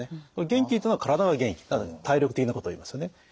元気というのは体が元気体力的なことを言いますよね。